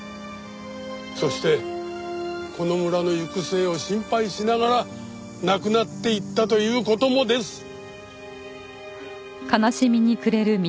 そしてこの村の行く末を心配しながら亡くなっていったという事もです。